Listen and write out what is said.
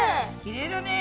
きれいだね。